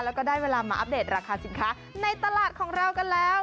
แล้วก็ได้เวลามาอัปเดตราคาสินค้าในตลาดของเรากันแล้ว